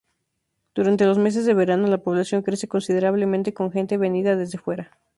Durante los meses de verano la población crece considerablemente, con gente venida desde fuera.